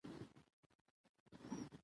اوښ د افغانستان د کلتوري میراث برخه ده.